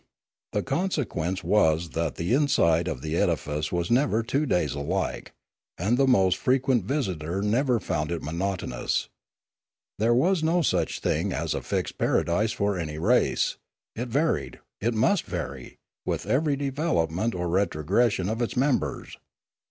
The conse quence was that the inside of the edifice was never two days alike, and the most frequent visitor never found Their Heaven and their Hell 233 it monotonous. There was no such thing as a fixed paradise for any race; it varied, it must vary, with every development or retrogression of its members.